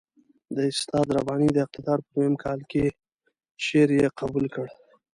د استاد رباني د اقتدار په دویم کال کې شعر یې قبول کړ.